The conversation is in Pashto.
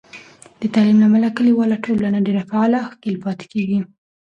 د تعلیم له امله، کلیواله ټولنه ډیر فعاله او ښکیل پاتې کېږي.